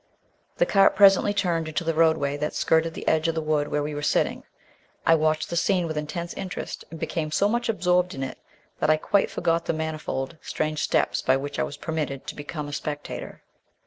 The cart presently turned into the roadway that skirted the edge of the wood where we were sitting. I watched the scene with intense interest and became so much absorbed in it that I quite forgot the manifold, strange steps by which I was permitted to become a spectator.